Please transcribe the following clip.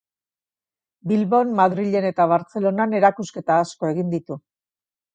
Bilbon, Madrilen eta Bartzelonan erakusketa asko egin ditu.